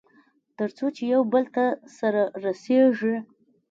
تر څو چې يوبل ته سره رسېږي.